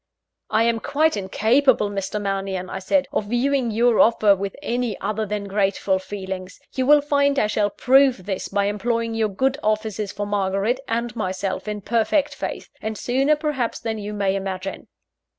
"I am quite incapable, Mr. Mannion," I said, "of viewing your offer with any other than grateful feelings. You will find I shall prove this by employing your good offices for Margaret and myself in perfect faith, and sooner perhaps than you may imagine."